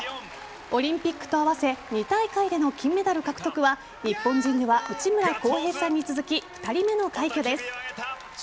オリンピックと合わせ２大会での金メダル獲得は日本人では内村航平さんに続き２人目の快挙です。